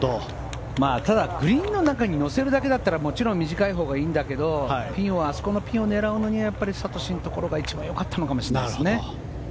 ただ、グリーンの中に乗せるだけだったらもちろん短いほうがいいんだけどあそこのピンを狙うのに智のところがよかったのかもしれないですね。